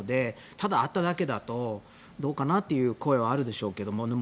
ただ会っただけだとどうかなという声はあるでしょうけども。